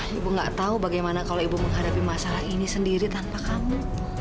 ibu gak tahu bagaimana kalau ibu menghadapi masalah ini sendiri tanpa kamu